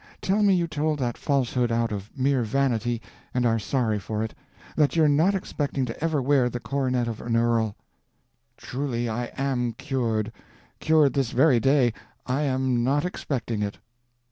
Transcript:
Tell me you told that falsehood out of mere vanity and are sorry for it; that you're not expecting to ever wear the coronet of an earl—" "Truly I am cured—cured this very day—I am not expecting it!"